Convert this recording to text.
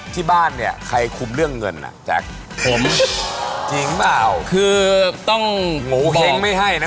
ที่บ้านเนี่ยใครคุมเรื่องเงินอ่ะแจ๊คผมจริงเปล่าคือต้องโงเห้งไม่ให้นะ